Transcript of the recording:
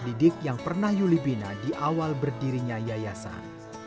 didik yang pernah yuli bina di awal berdirinya yayasan